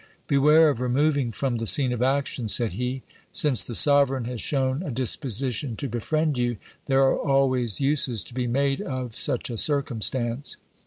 Beware of removing from the scene of action, said he : since the sovereign has shown a disposition to befriend you, there are always uses to be made of such a circumstance.